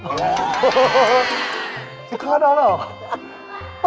สวัสดีครับได้แล้วเหรอ